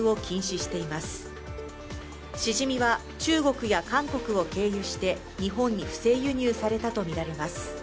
しじみは中国や韓国を経由して日本に不正輸入されたとみられます。